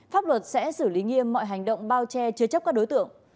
pháp luật sẽ xử lý nghiêm mọi hành động bao che chứa chấp các đối tượng